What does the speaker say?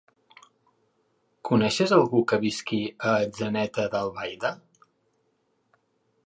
Coneixes algú que visqui a Atzeneta d'Albaida?